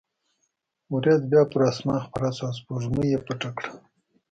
وریځ بیا پر اسمان خپره شوه او سپوږمۍ یې پټه کړه.